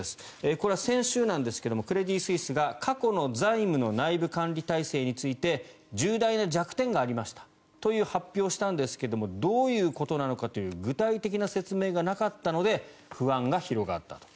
これは先週ですがクレディ・スイスが過去の財務の内部管理体制について重大な弱点がありましたという発表をしたんですがどういうことなのかという具体的な説明がなかったので不安が広がったと。